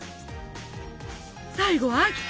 最後は秋田。